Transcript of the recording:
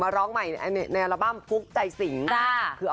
ร้องใหม่ในอัลบั้มฟุ๊กใจสิง